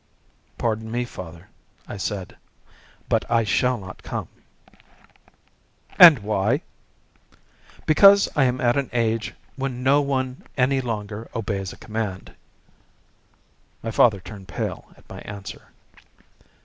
"Pardon me, father," I said, "but I shall not come." "And why?" "Because I am at an age when no one any longer obeys a command." My father turned pale at my answer.